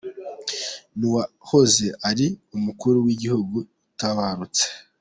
Ni uwahoze ari umukuru w’igihugu utabarutse.